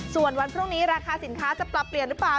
ส่วนวันพรุ่งนี้ราคาสินค้าจะปรับเปลี่ยนหรือเปล่า